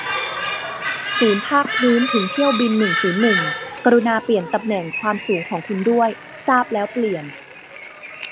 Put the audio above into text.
ศูนย์ภาคพื้นถึงเที่ยวบินหนึ่งศูนย์หนึ่ง กรุณาเปลี่ยนตำแหน่งความสูงของคุณด้วย ทราบแล้วเปลี่ยน